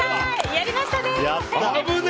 やりましたね。